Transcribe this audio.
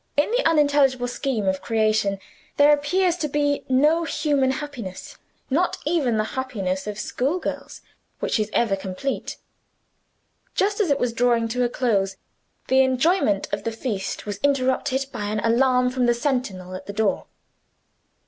In the unintelligible scheme of creation, there appears to be no human happiness not even the happiness of schoolgirls which is ever complete. Just as it was drawing to a close, the enjoyment of the feast was interrupted by an alarm from the sentinel at the door.